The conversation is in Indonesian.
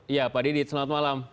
ya pak adidit selamat malam